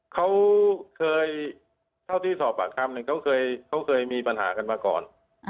เขาเคยเท่าที่สอบปากคำเนี่ยเขาเคยมีปัญหากันมาก่อน